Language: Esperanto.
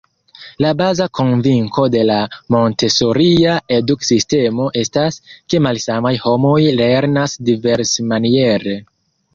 La baza konvinko de la Montesoria eduk-sistemo estas, ke malsamaj homoj lernas diversmaniere.